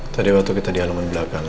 tadi waktu kita di halaman belakang